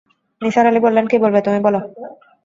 নিসার আলি বললেন, কী বলবে তুমি, বল।